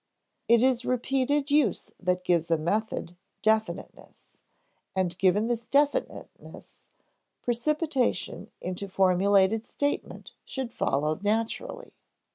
It is repeated use that gives a method definiteness; and given this definiteness, precipitation into formulated statement should follow naturally.